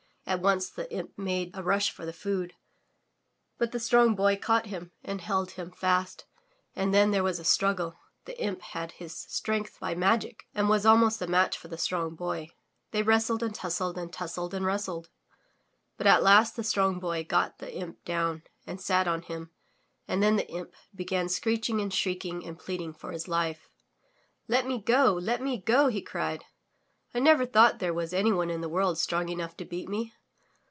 At once the imp made a rush for the food, but the Strong Boy caught him and held him fast and then there was struggle. The imp had his strength by magic and was almost a match for the Strong Boy. They wrestled and tussled and tussled and wrestled. But at last the Strong Boy got the imp down and sat on him and then the imp began screeching and shrieking and pleading for his life. "Let me go! Let me go!" he cried, "I never thought there was anyone in the world strong enough to beat me.